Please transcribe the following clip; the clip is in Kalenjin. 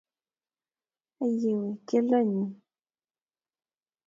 Aiyewe, keldo nyu !